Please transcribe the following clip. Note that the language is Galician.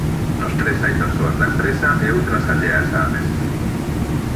Nos tres hai persoas da empresa e outras alleas á mesma.